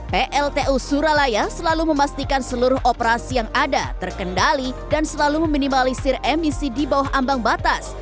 pltu suralaya selalu memastikan seluruh operasi yang ada terkendali dan selalu meminimalisir emisi di bawah ambang batas